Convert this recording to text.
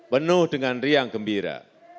penuh dengan riang gembira